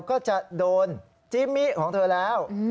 ก็จะโดนจิมิของเธอแล้ว